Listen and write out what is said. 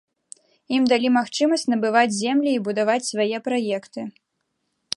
Ім далі магчымасць набываць землі і будаваць свае праекты.